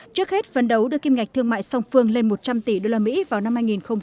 trước hết phấn đấu đưa kim ngạch thương mại song phương lên một trăm linh tỷ usd vào năm hai nghìn hai mươi